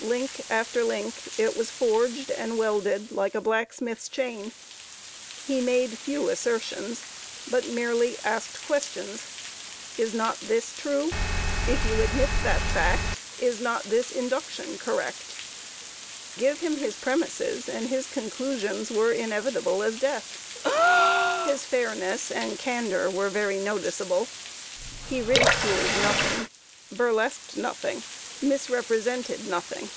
Link after link it was forged and welded like a blacksmith's chain. He made few assertions, but merely asked questions: "Is not this true? If you admit that fact, is not this induction correct?" Give him his premises, and his conclusions were inevitable as death. His fairness and candor were very noticeable. He ridiculed nothing, burlesqued nothing, misrepresented nothing.